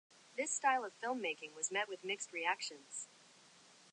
This style of film-making was met with mixed reactions.